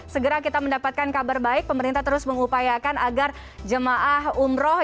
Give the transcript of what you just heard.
segera kita mendapatkan kabar baik pemerintah terus mengupayakan agar jemaah umroh